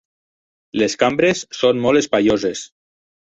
Les cambres són molt espaioses.